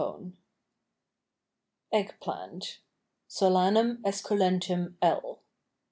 191 EGG PLANT. (Solanum esculentum L.)